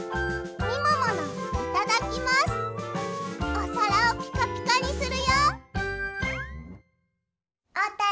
おさらをピカピカにするよ！